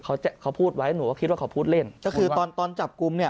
เขาเขาพูดไว้หนูก็คิดว่าเขาพูดเล่นก็คือตอนตอนจับกลุ่มเนี่ย